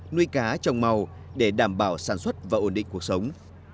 nuôi cá trồng màu để đảm bảo sản xuất và ổn định cuộc sống